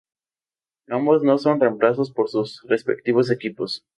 Ambos no son reemplazados por sus respectivos equipos.